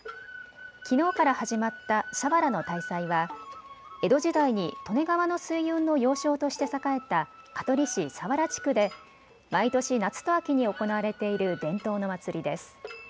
きのうから始まった佐原の大祭は江戸時代に利根川の水運の要衝として栄えた香取市佐原地区で毎年、夏と秋に行われている伝統の祭りです。